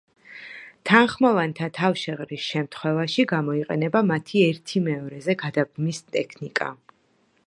თანხმოვანთა თავშეყრის შემთხვევაში გამოიყენება მათი ერთიმეორეზე გადაბმის ტექნიკა.